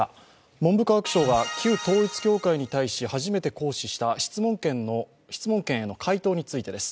文部科学省が旧統一教会に対し、初始めて行使した質問権への回答についてです。